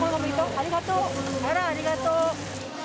あらありがとう。